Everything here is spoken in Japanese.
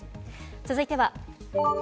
続いては。